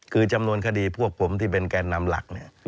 คือจำนวนคดีพวกผมที่เป็นแกนนำหลักเนี่ย